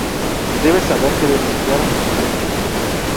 debe saber que denunciar a sus clientes